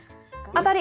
当たり！